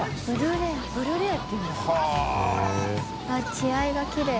血合いがきれい。